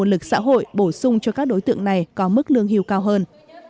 lực xã hội bổ sung cho các đối tượng này có mức lương hưu cao hơn